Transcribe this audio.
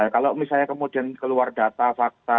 kalau misalnya kemudian keluar data fakta